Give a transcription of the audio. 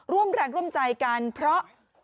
ร่วมแรงร่วมใจกันเพราะ